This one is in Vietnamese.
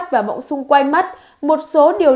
và mọng xung quanh mắt một số điều